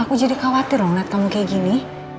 aku jadi khawatir loh ngeliat kamu kayak gini